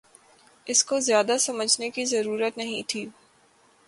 اس کو زیادہ سمجھنے کی ضرورت نہیں تھی